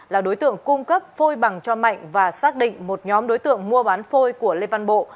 là đối tượng cung cấp phôi bằng cho mạnh và xác định một nhóm đối tượng mua bán phôi của lê văn bộ